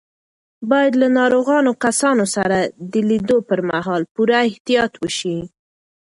باید له ناروغو کسانو سره د لیدو پر مهال پوره احتیاط وشي.